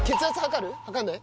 測んない？